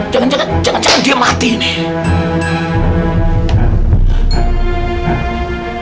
jangan jangan jangan jangan dia mati nih